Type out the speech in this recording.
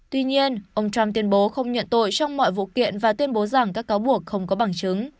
tuy nhiên ông trump tuyên bố không nhận tội trong mọi vụ kiện và tuyên bố rằng các cáo buộc không có bằng chứng